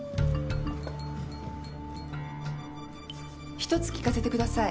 １つ聞かせてください。